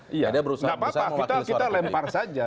tidak apa apa kita lempar saja